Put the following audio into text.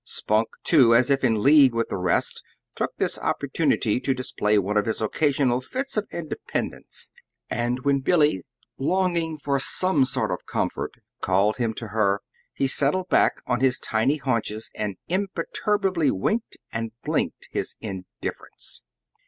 Spunk, too, as if in league with the rest, took this opportunity to display one of his occasional fits of independence; and when Billy, longing for some sort of comfort, called him to her, he settled back on his tiny haunches and imperturbably winked and blinked his indifference.